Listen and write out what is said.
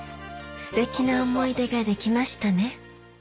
すてきな思い出ができましたね